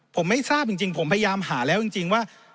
ผมไม่ทราบจริงผมพยายามหาแล้วจริงว่า